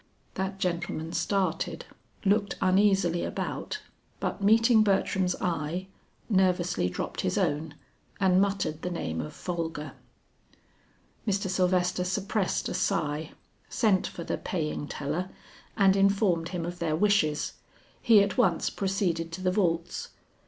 That gentleman started, looked uneasily about, but meeting Bertram's eye, nervously dropped his own and muttered the name of Folger. Mr. Sylvester suppressed a sigh, sent for the paying teller, and informed him of their wishes. He at once proceeded to the vaults.